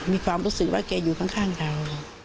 มีความรู้สึกว่าแกอยู่ข้างเรา